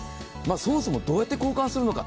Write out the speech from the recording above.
そもそもどうやって交換するのか。